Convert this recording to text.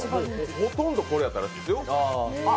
ほとんどこれやったらしいですよ。